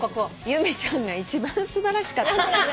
由美ちゃんが一番素晴らしかった。